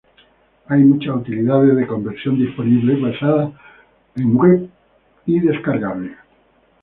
Hay muchas utilidades de conversión disponibles, basadas en web y descargables.